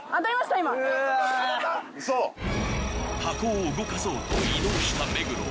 今うわ箱を動かそうと移動した目黒